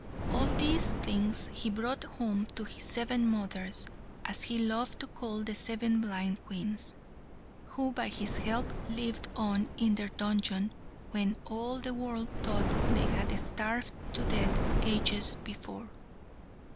All these things he brought home to his seven mothers, as he loved to call the seven blind Queens, who by his help lived on in their dungeon when all the world thought they had starved to death ages before.